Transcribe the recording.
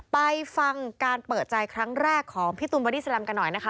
ไปฟังการเปิดใจครั้งแรกของพี่ตูนบอดี้แลมกันหน่อยนะคะ